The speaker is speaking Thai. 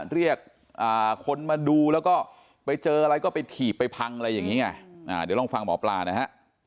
เรียกคนมาดูแล้วก็ไปเจออะไรก็ไปถีบไปพังอะไรอย่างนี้ไงเดี๋ยวลองฟังหมอปลานะฮะ